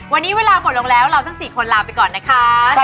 วันนี้เวลาหมดลงแล้วเราทั้ง๔คนลาไปก่อนนะคะ